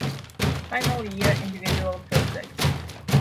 Final Year Individual Project